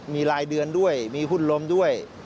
มีรายเดือนด้วยมีหุ้นลมด้วย